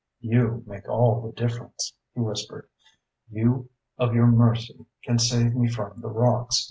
"You make all the difference," he whispered. "You of your mercy can save me from the rocks.